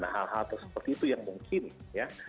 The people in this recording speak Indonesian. hal hal seperti itu yang mungkin ya